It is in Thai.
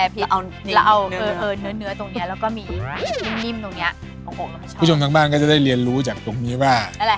คุณผู้ชมทั้งบ้านก็จะได้เรียนรู้จากตรงนี้ว่า